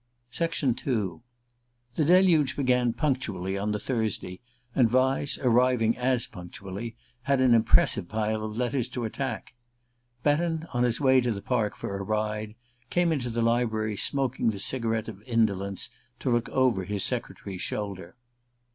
II THE deluge began punctually on the Thursday, and Vyse, arriving as punctually, had an impressive pile of letters to attack. Betton, on his way to the Park for a ride, came into the library, smoking the cigarette of indolence, to look over his secretary's shoulder.